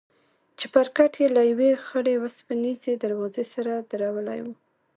چپرکټ يې له يوې خړې وسپنيزې دروازې سره درولى و.